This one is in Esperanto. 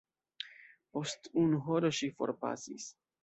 Post unu horo ŝi forpasis.